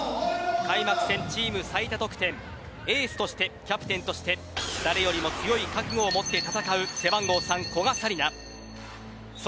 開幕戦チーム最多得点エースとして、キャプテンとして誰よりも強い覚悟を持って戦う背番号３、古賀紗理那。